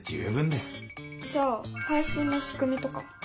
じゃあ配信のしくみとか？